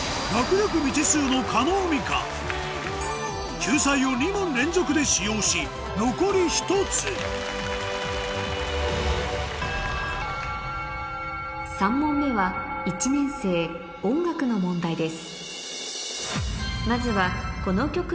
救済を２問連続で使用し残り１つ３問目はの問題です